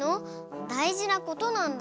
だいじなことなんだよ。